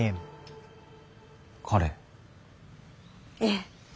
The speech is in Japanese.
ええ。